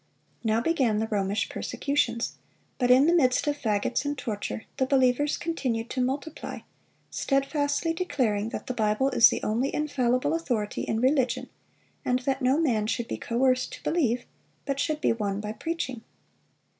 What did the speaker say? Now began the Romish persecutions; but in the midst of fagots and torture the believers continued to multiply, steadfastly declaring that the Bible is the only infallible authority in religion, and that "no man should be coerced to believe, but should be won by preaching."